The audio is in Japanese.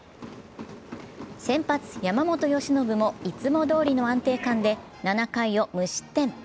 先発・山本由伸もいつも通りの安定感で７回を無失点。